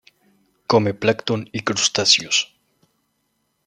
Come plancton y crustáceos.